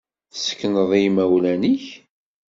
Tessekneḍ i imawlan-ik?